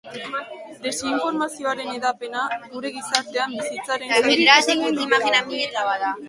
Desinformazioaren hedapena gure gizartean bizitzaren zati bihurtu da.